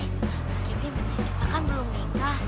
mas kiki kita kan belum nikah